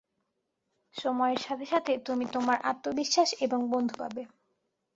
সময়ের সাথে সাথে তুমি তোমার আত্মবিশ্বাস এবং বন্ধু পাবে।